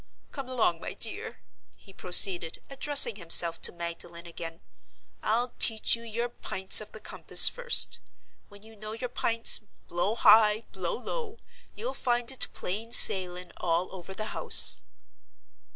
Come along, my dear," he proceeded, addressing himself to Magdalen again. "I'll teach you your Pints of the Compass first. When you know your Pints, blow high, blow low, you'll find it plain sailing all over the house."